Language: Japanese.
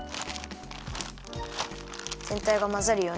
ぜんたいがまざるように。